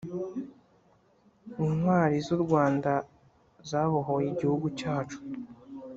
Intwari za u Rwanda zabohoye igihugu cyacu